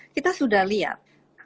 kita sudah lihat